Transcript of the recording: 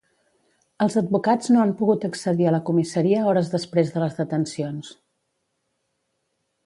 Els advocats no han pogut accedir a la comissaria hores després de les detencions.